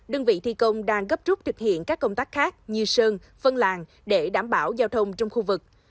đơn vị thi công đang gấp rút thực hiện các công tác khác như sơn phân làng để đảm bảo giao thông trong khu vực